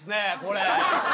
これ。